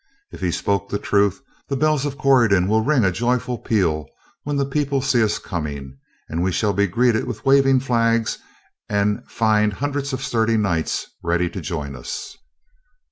If he spoke the truth, the bells of Corydon will ring a joyful peal when the people see us coming, and we shall be greeted with waving flags, and find hundreds of sturdy Knights ready to join us."